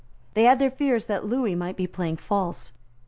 They had their fears that Lewis might be playing false.